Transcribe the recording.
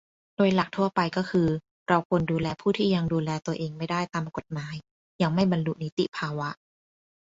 โดยหลักทั่วไปก็คือ เราควรดูแลผู้ที่ยังดูแลตัวเองไม่ได้ตามกฎหมาย ยังไม่บรรลุนิติภาวะ